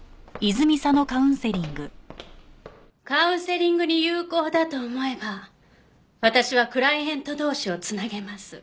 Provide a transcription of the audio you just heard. カウンセリングに有効だと思えば私はクライエント同士を繋げます。